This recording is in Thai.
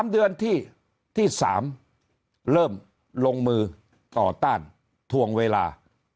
๓เดือนที่๓เริ่มลงมือต่อต้านทวงเวลา